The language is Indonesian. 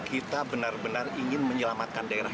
kita benar benar ingin menyelamatkan daerah